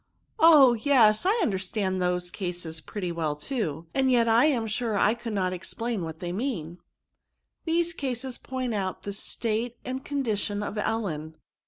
" Oh ! yes ; I understand those cases pretty well too ; and yet I am sure I could not ex plain what they mean/' *' These cases point out the state and con dition of Ellen.